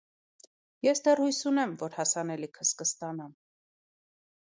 - Ես դեռ հույս ունեմ, որ հասանելիքս կստանամ: